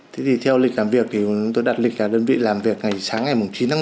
thế thì theo lịch làm việc thì tôi đặt lịch là đơn vị làm việc ngày sáng ngày chín tháng năm